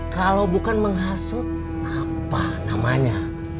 kalau bukan menghasut apa namanya